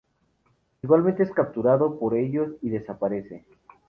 Igualmente, es capturado por ellos, y desaparece.